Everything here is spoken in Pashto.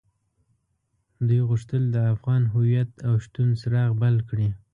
دوی غوښتل د افغان هويت او شتون څراغ بل کړي.